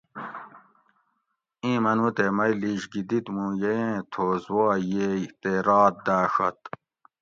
ایں منو تے مئ لیش گھی دِت مون ییئں تھوس وا ییئ تے رات داۤڛت